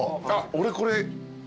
俺これ。